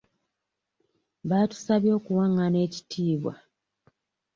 Baatusabye okuwangana ekitiibwa.